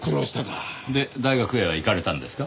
で大学へは行かれたんですか？